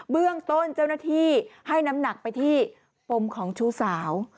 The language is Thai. เบื้องต้นเจ้าหน้าที่ให้น้ำหนักไปที่ปมของชู้สาว